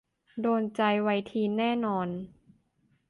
โดนใจวัยทีนแน่นอน